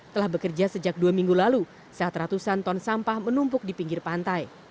telah bekerja sejak dua minggu lalu saat ratusan ton sampah menumpuk di pinggir pantai